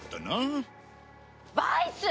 バイス！